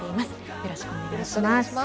よろしくお願いします。